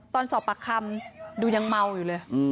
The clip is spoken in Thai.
ตอนสอบปากคำดูยังเมาอยู่เลย